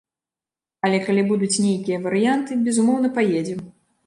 Але калі будуць нейкія варыянты, безумоўна, паедзем.